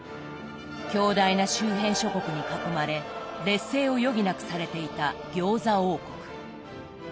強大な周辺諸国に囲まれ劣勢を余儀なくされていた餃子王国。